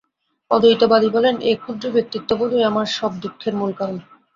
অদ্বৈতবাদী বলেন, এই ক্ষুদ্র ব্যক্তিত্ববোধই আমার সব দুঃখের মূল কারণ।